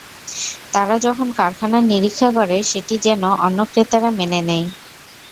তারা যখন কারখানার নিরীক্ষা করে, সেটি যেন অন্য ক্রেতারা মেনে নেয়।